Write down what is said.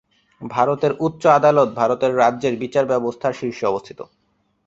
ভারতের উচ্চ আদালত ভারতের রাজ্যের বিচার ব্যবস্থার শীর্ষে অবস্থিত।